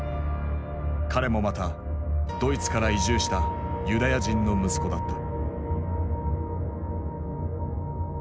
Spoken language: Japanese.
彼もまたドイツから移住したユダヤ人の息子だった。